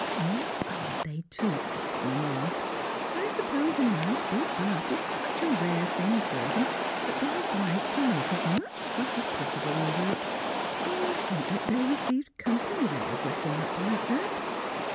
Now aren't they too odd, Mamma? I suppose a nice big bath is such a rare thing for them that they are obliged to make as much fuss as possible over it. One would think they received company there, dressing up like that!